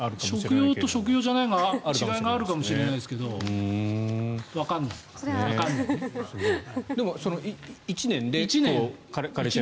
食用と食用じゃないのの違いがあるかもしれないけどでも１年で枯れちゃう。